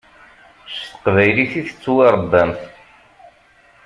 S teqbaylit i tettwaṛebbamt.